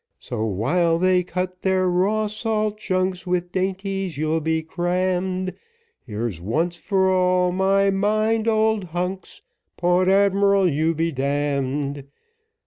So while they cut their raw salt junks, With dainties you'll be crammed, Here's once for all my mind, old hunks, Port Admiral, you be d d.